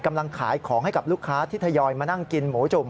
กำลังขายของให้กับลูกค้าที่ทยอยมานั่งกินหมูจุ่ม